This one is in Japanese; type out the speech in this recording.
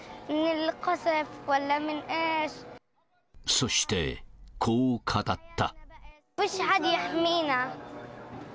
そして、こう語った。